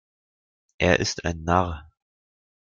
Er ist ein Narr.